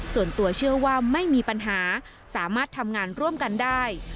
ส่วนตัวเชื่อว่าไม่มีปัญหาสามารถทำงานร่วมกันได้